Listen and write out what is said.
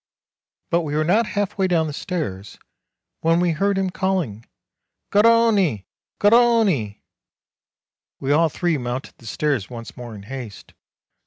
But we were not half way down the stairs, when we heard him calling, "Garrone! Garrone !" We all three mounted the stairs once more in haste.